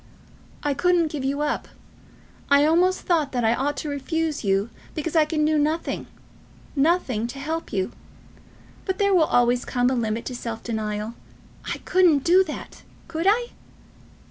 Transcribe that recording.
"I couldn't give you up. I almost thought that I ought to refuse you because I can do nothing, nothing to help you. But there will always come a limit to self denial. I couldn't do that! Could I?"